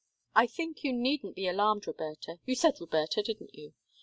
"I think you needn't be alarmed, Roberta you said Roberta, didn't you?